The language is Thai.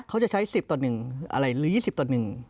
เขาจะใช้๑๐ตัวหนึ่งหรือ๒๐ตัวหนึ่ง